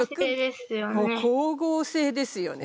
光合成ですよね。